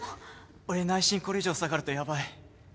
俺内申これ以上下がるとヤバい。